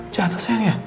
jatuh sayang ya